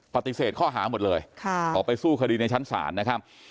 ปฏิเสธข้อหาหมดเลยขอไปสู้คดีในชั้นศาลนะครับ